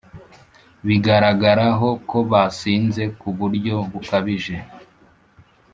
bigaragaraho ko basinze ku buryo bukabije